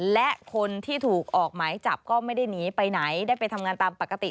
และคนที่ถูกออกหมายจับก็ไม่ได้หนีไปไหนได้ไปทำงานตามปกติ